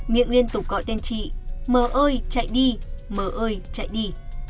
miệng liên tục gọi tên chị m ơi chạy đi m ơi chạy đi